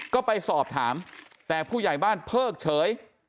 ก็ไปสอบถามแต่ผู้ใหญ่บ้านเพิกเฉย